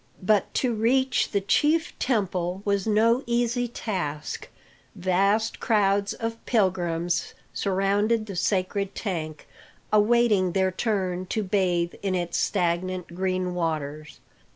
But to reach the chief temple was no easy task. Vast crowds of pilgrims surrounded the sacred tank, awaiting their turn to bathe in its stagnant green waters.